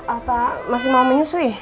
apa masih mau menyusui